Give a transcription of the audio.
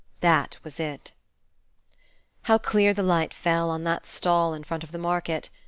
that was it. How clear the light fell on that stall in front of the market!